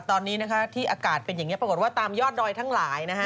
ตอนนี้นะคะที่อากาศเป็นอย่างนี้ปรากฏว่าตามยอดดอยทั้งหลายนะฮะ